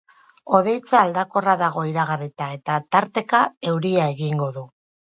Hodeitza aldakorra dago iragarrita, eta, tarteka, euria egingo du.